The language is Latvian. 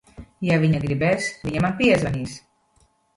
Ja viņa gribēs, viņa man piezvanīs.